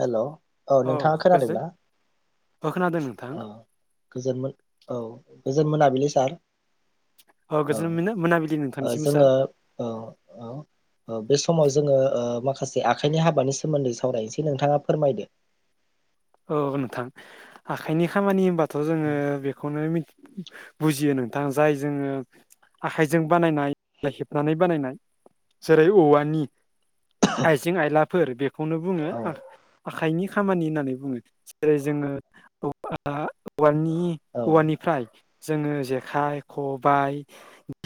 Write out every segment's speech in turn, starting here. हेल' औ नोंथाङा खोनादों ना औ खोनादों नोंथां औ गोजोन मोन औ गोजोन मोनाबिलि सार औ गोजोन मोना मोनाबिलि ओ नोंथांनिसिम सार जोङो औ ओ ओ बे समाव जोङो ओ माखासे आखाइनि हाबानि सोमोन्दै सावरायनोसै नोंथाङा फोरमायदो औ नोंथां आखाइनि खामानि होनबाथ' जोङो बेखौनो मि बुजियो नोंथां जाय जोङो आखाइजों बानायनाय बा हेबनानै बानायनाय जेरै औवानि आइजें आइलाफोर बेखौनो बुङो औ आख आखाइनि खामानि होननानै बुङो जेरै जोङो औवा औवानि औ औवानिफ्राय जोङो जेखाइ खबाइ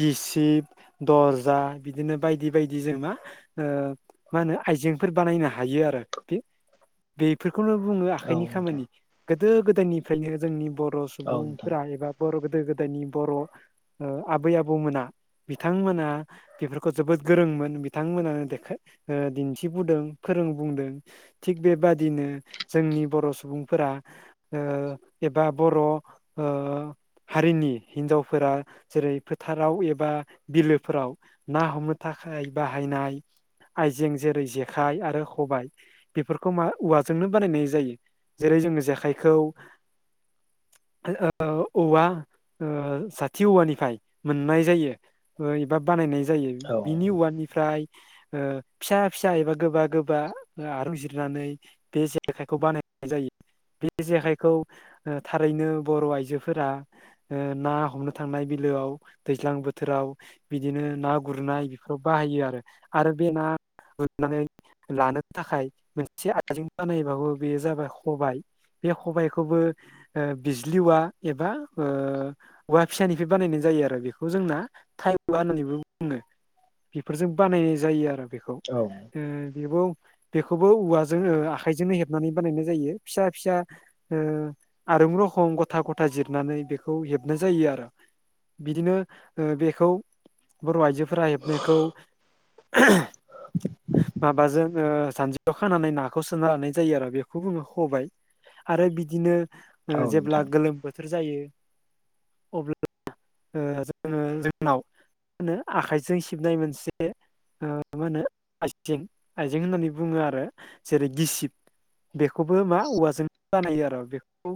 गिसिब दरजा बिदिनो बायदि बायदि जों मा ओ मा होनो आइजेंफोर बानायनो हायो आरो खि बेफोरखौनो बुङो औ आखाइनि नोंथां खामानि गोदो गोदायनिफ्रायनो जोंनि बर' औ नोंथां सुबुंफोरा एबा बर' गो गोदो गोदायनि बर' ओ आबै आबौमोना बिथांमोना बेफोरखौ जोबोद गोरोंमोन बिथांमोनानो देखाय ओ दिन्थिबुदों फो रों बुंदों थिग बेबादिनो जोंनि बर' सुबुंफोरा ओ एबा बर' ओ हारिनि हिनजावफोरा जेरै फोथाराव एबा बिलोफोराव ना हमनो था खाय बाहायनाय आइजें जेरै जेखाइ आरो खबाइ बेफोरखौ मा औवाजोंनो बानायनाय जायो जेरै जोंनो जेखाइखौ [inaudible] ओ औवा ओ साथि औवानिफ्राय मोननाय जायो ओ एबा बानायनाय जायो औ बिनि औवानिफ्राय ओ फिसा फिसा एबा गोबा गोबा ओ आरूं जिरनानै बे जे जेखाइखौ बानायनाय जायो बे जेखायखौ ओ थारैनो बर' आइजोफोरा ओ ना हमनो थांनाय बिल आव दैज्लां बोथोराव बिदिनो ना गुरनाय बेफोराव बाहायो आरो आरो बे ना गुरनानै लानो थाखाय मोनसे आइजें बानायबावो बे जाबाय खबाइ बे खबाइखौबो ओ बिजलि औवा एबा ओ औवा फिसानिफ्राय बानायनाय जाय जायो आरो बेखौ जोंना थाइ औवा होननानैबो बुङो बेफोरजों बानायनाय जायो आरो बेखौ ओ औ बेबौ बेखौबो औवाजोंनो आ खायजोंनो हेबनानै बानायनाय जायो फिसा फिसा ओ आरुं रखम गथा गथा जिरनानै बेखौ हेबनाय जायो आरो बिदिनो ओ बेखौ बर' आइजोफोरा हेबनायखौ माबाजों ओ जानजियाव खानानै नाखौ सो सोना लानाय जायो आरो बेखौ बुङो खबाइ आरो बिदिनो ओ औ जेब्ला नोंथां गोलोम बोथो थोर जायो अब्ला ओ जोङो जोंनाव नो आखाइजों सिबनाय मोनसे ओ मा होनो आइजें आइजें होननानै बुङो आरो जेरै गिसिब बेखौबो मा औवाजों बानायो आरो बेखौ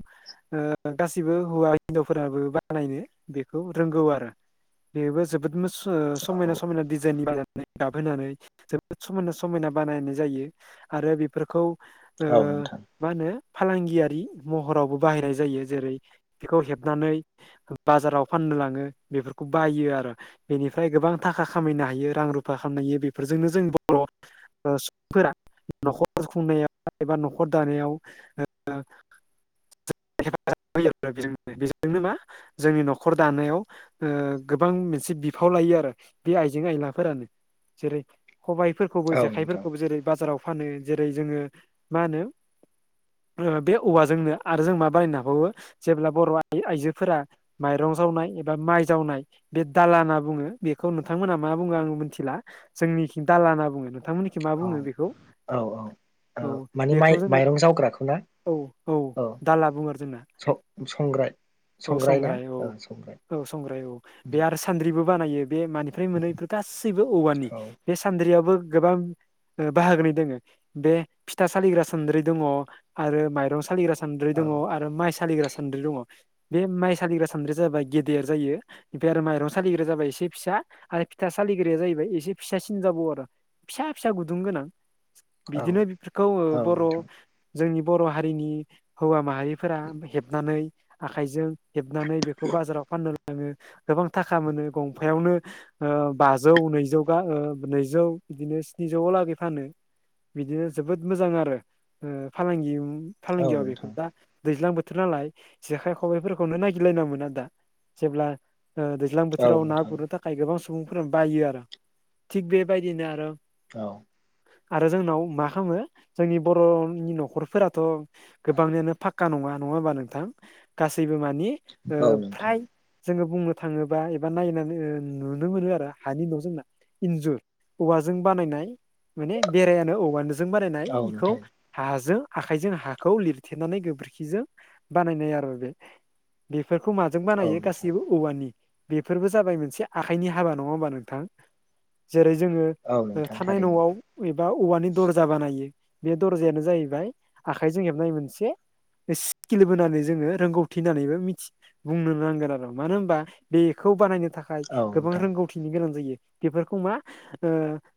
ओ गासिबो हौवा हिन्जावफोराबो बानायनो बे खौ रोंगौ आरो बेबो जोबोद मोस ओ औ समायना समायना दिज [unintelligible] गाबहोनानै जोबोद समायना समायना बानायनाय जायो आरो बेफोरखौ ओ औ नोंथां मा होनो फालांगियारि महरावबो बाहायनाय जायो जेरै बेखौ हेबनानै बाजाराव फाननो लाङो बेफोरखौ बायो आरो बेनिफ्राय गोबां थाखा खामायनो हायो रां रुफा खामायो बेफोरजों जोंनो जों बर' सुबुंफोरा न'खर खुंनायाव एबा न'खर दानायाव [inaudible] [unintelligible] बेजोंनो मा जोंनि न'खर दानायाव ओ गोबां मोनसे बिफाव लायो आरो बे आइजें आयलाफोरानो जेरै खबाइफोरखौबो औ नोंथां जेखाइफोरखौबो जेरै बाजाराव फानो जेरै जोङो मा होनो ओ बे औवाजोंनो आरो जों मा बानायनो हाबावो जेब्ला बर' आइ आइजोफोरा माइरं जावनाय एबा माइ जावनाय बे दालाना बुङो बेखौ नोंथांमोना मा बुङो आङो मिथिला जोंनिखिं दालाना बुङो नों थांमोननिखै मा औ बुङो बेखौ औ औ मानि बेखौ माइ जोंना माइरं जावग्राखौ ना औ दाला बुङो आरो जोंना स संग्राय औ संग्राय औ औ संग्राय औ बे आरो सान्द्रि बो बानायो बे मानिफ्राय मोनो बेफोर गासैबो औवानि औ बे सान्द्रियाबो गोबां बाहागोनि दोङो बे फिथा सालिग्रा सान्द्रि दङ' आरो माइरं सालिग्रा सान्द्रि औ दङ' आरो माइ सालिग्रा सान्द्रि दङ'। बे माइ सालिग्रा सानद्रिया जाबाय गेदेर जायो ओमफ्राय आरो माइरं सालिग्राया जाबाय एसे फिसा आरो फिथा सालिग्राया जाहैबाय एसे फिसासिन जाबावो आरो फिसा फिसा गुदुं गोनां। औ बिदिनो बेफोरखौ औ बर' नोंथां जोंनि बर' हारिनि हौवा मा हारिफोरा हेबनानै आखाइजों हेबनानै बेखौ बाजाराव फाननो लाङो गोबां थाखा मोनो गंफायावनो ओ बाजौ नैजौ ओ नैजौ बिदिनो स्निजौ लागै फानो बिदिनो जोबोद मोजां आरो ओ फालांगि औ फालांगियाव बेखौ नोंथां दा दैज्लां बोथोर नालाय जेखाइ खबाइफोरखौनो नागिरलायना मोना दा जेब्ला ओ दैज्लां औ बोथोराव ना नोंथां गुरनो थाखाय गोबां सुबुंफोरानो बायो आरो। थिग बेबायदिनो आरो औ आरो जोंनाव मा खालामो जोंनि बर' न'खरफोराथ' गोबांनियानो फाक्का नङा। नङा होमबा नोंथां गासैबो मानि ओ औ नोंथां फ्राय जोङो बुंनो थाङोबा एबा नायनानै नुनो मोनो आरो हानि न' जोंना इन्जुर औवाजों बानायनाय माने बेरायानो औवानोजों बानायनाय औ बेखौ नोंथां हाजों आखाइजों हा खौ लिरथेनानै गोबोरखिजों बानायनाय आरो बे बे फोरखौ माजों औ बानायो नोंथां गासिबो औवानि बेफोरबो जाबाय मोनसे आखाइनि हाबा नङा होमबा नोंथां जेरै जोङो औ ओ नोंथां थानाय थारैनो न'आव एबा औवानि दरजा बानायो। बे दरजायानो जाहैबाय आखाइजों हेबनाय मोनसे स्किल बोनानै जोङो रोंगौथि होननानैबो मिथि बुंनो नांगोन आरो मानो होनबा बेखौ बानायनो थाखाय औ गोबां नोंथां रोंगौथिनि गोनां जायो बेफोरखौ मा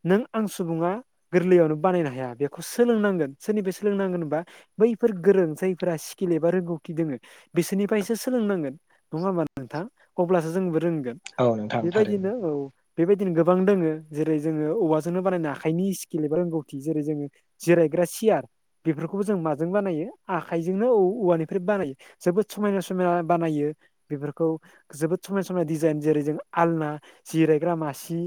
नों आं सुबुङा गोरलैयावनो बानायनो हाया बेखौ सोंलों नांगोन सोरनिफाय सोलोंनांगोन होनबा बैफोर गोरों जायफोरा स्किल एबा रोंगौथि दोङो बिसोरनिफ्रायसो सोलोंनांगोन नङा होनबा नोंथां अब्लासो जोंबो रोंगोन औ नोंथां थारैनो बेबायदिनो औ बेबायदिनो गोबां दङो जेरै जोङो औवाजोंनो बानायनो आखाइनि स्किल एबा रोंगौथि जेरै जोङो जिराय ग्रा सियार बेफोर खौबो जों माजों बानायो आखाइजोंनो औ-औवानिफ्राय बानायो जोबोद समायना समायना बानायो बेफोरखौ जोबोद समाय समाय डिजाइन जेरै जों आलना जिरायग्रा मासि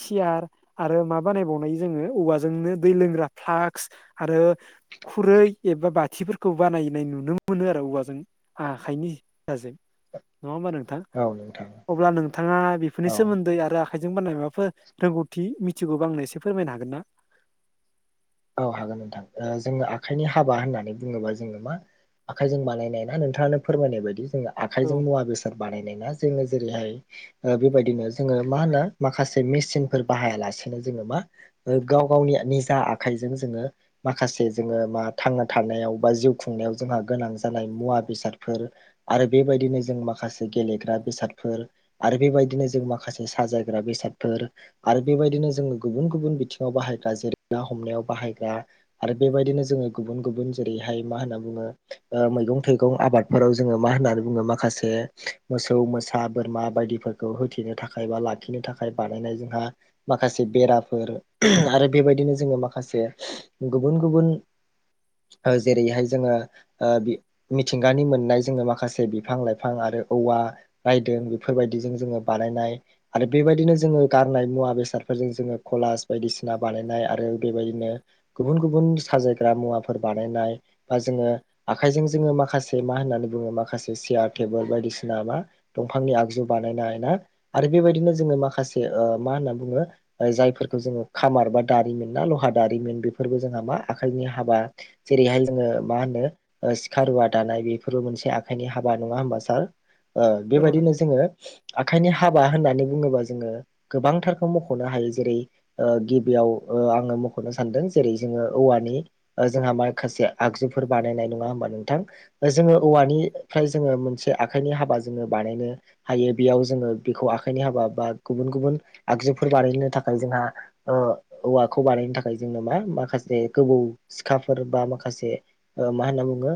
सियार आरो मा बानायबावनाय जोङो औवाजोंनो दै लोंग्रा फ्लाक्स आरो खुरै एबा बाथिफोरखौ बानायनाय नुनो मोनो आरो औवाजों आखाइनि हाजों [inaudible] नङा होमबा नोंथां औ नोंथां अब्ला नोंथाङा बेफोरनि औ सोमोन्दै आरो आखाइजों बानायनाय माबाफोर रोंगौथि मिथिगौबा आंनो एसे फोरमायनो हागोन ना? औ हागोन नोंथां ओ जोङो आखाइनि हाबा होननानै बुङोबा जोङो मा आखाइजों बानायनाय ना नोंथाङानो फोरमायनाय बायदि जोङो औ आखाइजों मुवा बेसाद बानायनाया जोङो जेरैहाय ओ बेबायदिनो जोङो मा होनो माखासे मेसिनफोर बाहायाला नो जेनेबा गाव गावनि निजा आखाइजों जोङो माखासे जोङो मा थांना थानायाव बा जिउ खुंनायाव जोंहा गोनां जानाय मुवा बेसादफोर आरो बेबायदिनो जों माखासे गेलेग्रा बेसादफोर आरो बेबायदिनो जों मा माखासे साजायग्रा बेसादफोर आरो बेबायदिनो जोङो गुबुन गुबुन बिथिङाव बाहायग्रा जेरै ना हम नायाव बाहायग्रा आरो बेबायदिनो जोङो गुबुन गुबुन जरैहाय मा होनना बङो ओ मै गं आबादफोराव जोङो मा होननानै बुङो माखासे मोसौ मोसा बोरमा बायदिफोरखौ होथेनो बा लाखिनो थाखाय बानायनाय जोंहा माखासे बेराफोर आरो बेबायदिनो जोङो माखासे गुबुन गुबुन जेरैहाय जोङो ओ मिथिंगानि मोननाय जोङो माखासे बिफां लाइफां आरो औवा रायदों बेफोरबायदिजों जोङो बानायनाय आरो बेबायदिनो जोङो गारनाय मुवा बेस हासारफोरजों जोङो कलास बायदिसिना बानायनाय आरो बेबायदिनो गुबुन गुबुन साजायग्रा मुवाफोर बानायनाय बा जोङो आखायजों जों जोङो माखासे मा होननानै बुङो माखासे चियार टेबोल बायदिसिना मा दंफांनि आगजु बानायनाय ना आरो बेबायदिनो जोङो माखासे ओ मा होनना बुङो जायफोरखौ जोङो खामार बा दारिमिन लहा दारिमिन बेफोरबो जोंहा मा आखाइनि हाबा जेरैहाय जोङो मा होनो ओ सिखार रुवा दानाय बेफोरबो मोनसे आखाइनि हाबा नङा होनबा सार? ओ औ नोंथां बेबायदिनो जोङो आखाइनि हा हाबा होननानै बुङोबा जोङो गोबांथारखौ मख'नो हायो जेरै गिबियाव ओ आङो मख'नो सानदों जेरै जोङो औवानि जोंहा माखासे आगजुफोर बानायनाय नङा होमबा नोंथां जोङो औवानिफ्राय जोङो मोनसे आखाइनि हाबा जोङो बानायनो हायो बेयाव जोङो बेखौ आखाइनि हाबा बा गुबुन गुबुन आगजुफोर बानायनो थाखाय जोंहा ओ औवाखौ बानायनो थाखाय जोंनो मा माखासे गोबौ सिखाफोर बा माखासे ओ मा होनो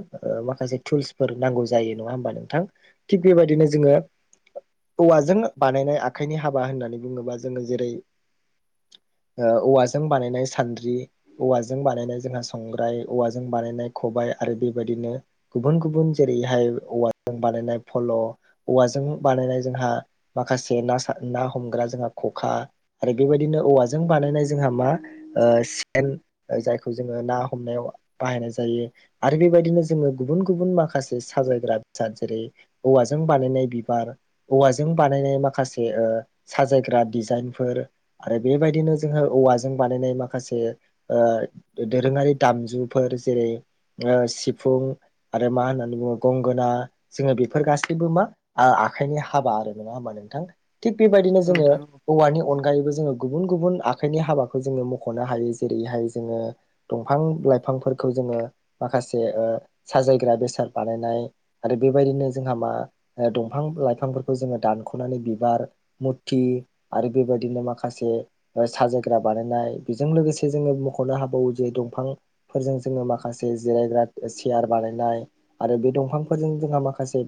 माखासे तुलस नांगौ जायो नङा होनबा नोंथां? थिग बेबायदिनो जोङो औवाजों बानायनाय आखाइनि हाबा होननानै बुङोबा जोङो जेरै ओ औवाजों बानायनाय सान्द्रि औवाजों बानायनाय जोंहा संग्राय औवाजों बानायनाय खबाइ आरो बेबायदिनो गुबुन गुबुन जेरैहाय औवाजों बानायनाय फल' औवाजों बानायनाय माखासे ना सा ना हमग्रा जोंहा खखा आरो बेबायदिनो औवाजों जों बानायनाय जोंहा मा ओ सेन जायखौ जोङो ना हमनायाव बाहायनाय जायो आरो बेबायदिनो जोङो गुबुन गुबुन माखासे साजायग्रा बेसाद जेरै औवाजों बानायनाय बिब बार औवाजों बानायनाय माखासे साजायग्रा डिजाइनफोर आरो बेबायदिनो बिदिनो जोङो औवाजों बानायनाय माखासे ओ दोरोङारि दामजुफोर जेरै ओ सिफुं आरो मा होननानै बुङो गंगोना जोङो बेफोर गासैबो मा आखाइनि हाबा आरो नङा होनबा नोंथां? थिग बेबायदिनो औ जोङो नोंथां औवानि अनगायैबो जोङो गुबुन गुबुन आखाइनि हाबाखौ जोङो मख'नो हायो जेरैहाय जोङो दंफां लाइफांफोरखौ जोङो ओ माखासे साजायग्रा बेसाद बानायनाय आरो बेबायदिनो जों मा ओ दंफां लाइफांफोरखौ जोङो दानख'नानै बिबार मुरथि आरो बेबायदिनो माखासे साजायग्रा बानायनाय बेजों लोगोसे जोङो मख'नो हाबावो जे दंफांफोरजों जोङो माखासे जेरै जिरायग्रा सियार बानायनाय आरो बे दंफांफोरजों जोङो माखासे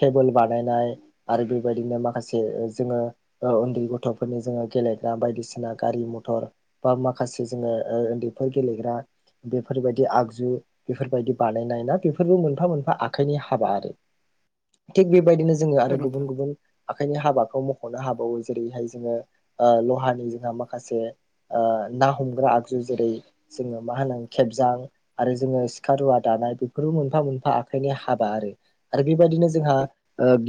टेबोल बानायनाय आरो बेबायदिनो माखासे जोङो उन्दै गथ'फोरनि जोङो गेले ग्रा बायदिसिना गारि मथर बा माखासे जोङो उन्दैफोर गेलेग्रा बेफोरबायदि आगजु बेफोरबायदि बानायनाय ना बेफोरबो मोनफा मोनफा आखाइनि हाबा आरो। थिक बेबायदिनो जोङो आरो औ गुबुन नोंथां गुबुन आखाइनि हाबाखौ मख'नो हाबावो जेरैहाय जोङो ओ लहानि जोंहा माखासे ओ ना हमग्रा आगजु जेरै जोङो मा होनो खेबजां आरो जोङो सिखा रुवा दान बेफोरबो मोनफा मोनफा आखाइनि हाबा आरो आरो बेबायदिनो जोंहा औ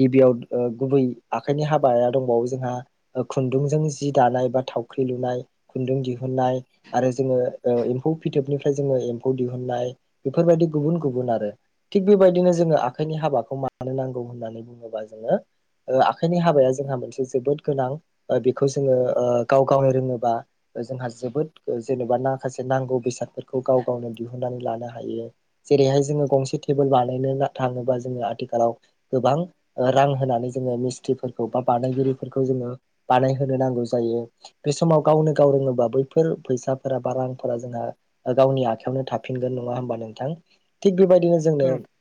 गिबियाव गुबै आखाइनि हाबाया दंबावो जोंहा खुन्दुंजों जि दानाय बा थावख्रि लुनाय खुन्दुं दिहुननाय आरो जोङो एम्फौ फिथोबनिफ्राय जोङो एम्फौ दिहुननाय बेफोरबायदि गुबुन गुबुन आरो थिग बेबायदिनो जोङो आखाइनि हाबाखौ मा नांगौ होननानै बुङोबा जोङो आखायनि हाबाया जोंहा मोनसे जोबोद गोनां बे जोङो गाव गावनो रोङोबा जोंहा जोबोद जेनेबा माखासे नांगौ बेसादफोरखौ गाव गाव गावनो दिहुननानै लानो हायो जेरैहाय जोङो गंसे टेबोल बानायनो थाङोबा जोङो आथिखालाव गोबां रां होनानै जोङो मिस्थ्रिफोरखौ बा बानायगिरिफोरखौ जोङो बानाय होनो नांगौ जायो बे समाव गावनो गाव रोङोबा बैफोर फैसाफोरा बा रांफोरा जोंना गावनि आखायावनो थाफिनगोन नङा होमबा नोंथां थिग बेबायदिनो जोंनो नोंथां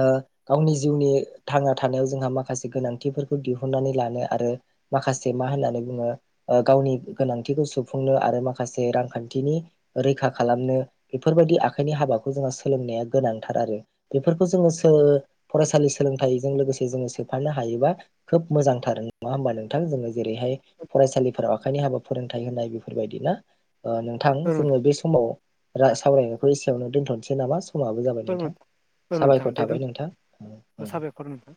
ओ गावनि जिउनि थांना थानायाव जोंहा माखासे गोनांथिफोरखौ दिहुननानै लानो आरो माखासे मा होननानै बुङो ओ गावनि गोनांथिखौ सुफुंनो आरो माखासे रांखान्थिनि रैखा खालामनो बेफोरबायदि आखाइनि हाबाखौ जोंहा सोलोंनाया गोनांथार आरो बेफोरखौ जोङो सोलों फरायसालि सोलोंथाइजों लोगोसे जोङो सोफानो हायोबा खोब मोजांथार नङा होमबा नोंथां जोङो जेरैहाय फरायसालिफोराव आखाइनि हाबा फोरोंथाइ होनाय बेफोरबायदि ना ओ नोंथां औ जोङो बे समाव सावरायनायखौ एसेयावनो दोनथ'नसै नामा? समाबो जाबाय नोंथां औ नोंथां साबायखर दे थाबाय दोन नोंथां [inaudible] साबायखर नोंथां।